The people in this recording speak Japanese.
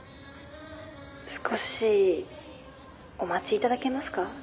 ・少しお待ちいただけますか？